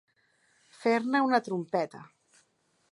Fer-ne una trompeta.